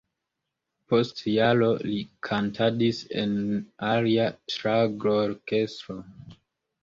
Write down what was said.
Post jaroj li kantadis en alia ŝlagrorkestro.